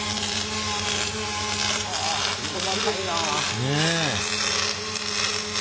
ねえ。